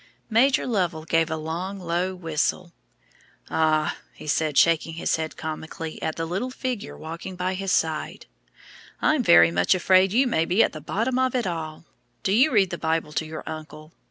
Major Lovell gave a long, low whistle. "Ah!" he said, shaking his head comically at the little figure walking by his side, "I'm very much afraid you may be at the bottom of it all. Do you read the Bible to your uncle?